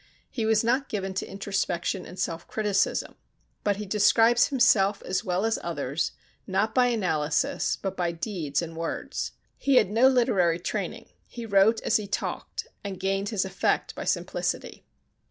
He was not given to introspection and self criticism, but he describes himself as well as others, not by analysis but by deeds and words. He had no literary training; he wrote as he talked, and gained his effect by simplicity.